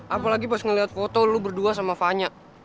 apalagi pas ngeliat foto lo berdua sama vanya